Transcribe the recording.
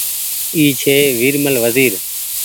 اي ڇي ورمل وزير